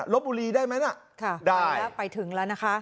ลบอุลีได้ไหมน่ะได้ไปถึงแล้วนะคะ